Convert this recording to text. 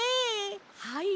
はい。